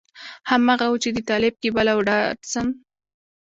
هماغه و چې د طالب کېبل او ډاټسن.